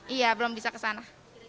iya belum bisa kesana